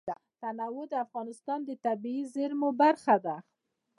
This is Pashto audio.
تنوع د افغانستان د طبیعي زیرمو برخه ده.